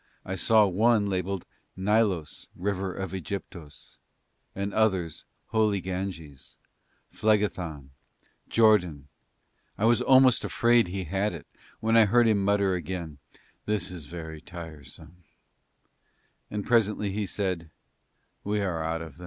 I saw one labelled: Nilos, river of Ægyptos; and others Holy Ganges, Phlegethon, Jordan; I was almost afraid he had it, when I heard him mutter again, "This is very tiresome," and presently he said, "We are out of it."